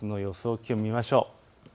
気温を見ましょう。